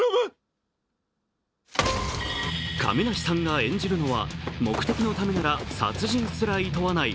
亀梨さんが演じるのは目的のためなら殺人すらいとわない